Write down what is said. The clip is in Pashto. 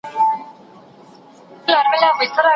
تاسو باید یوازې باوري خبرونه او معلومات تعقیب کړئ.